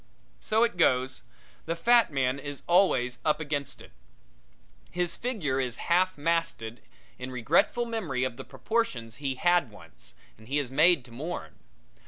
So it goes the fat man is always up against it. His figure is half masted in regretful memory of the proportions he had once, and he is made to mourn.